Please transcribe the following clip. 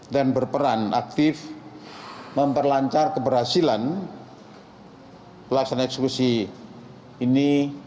dan berperan aktif memperlancar keberhasilan pelaksanaan eksekusi ini